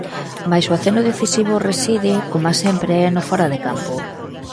Mais o aceno decisivo reside, coma sempre, no fóra de campo.